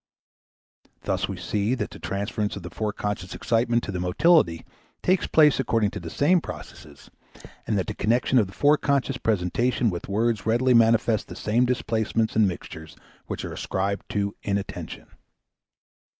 Thus we see that the transference of the foreconscious excitement to the motility takes place according to the same processes, and that the connection of the foreconscious presentations with words readily manifest the same displacements and mixtures which are ascribed to inattention.